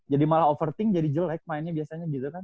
jadi malah overthink jadi jelek mainnya biasanya gitu kan